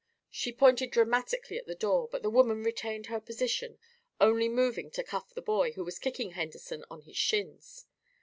She pointed dramatically at the door, but the woman retained her position, only moving to cuff the boy, who was kicking Henderson on his shins.